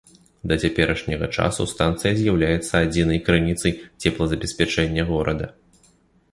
Да цяперашняга часу станцыя з'яўляецца адзінай крыніцай цеплазабеспячэння горада.